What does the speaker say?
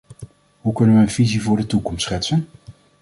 Hoe kunnen we een visie voor de toekomst schetsen?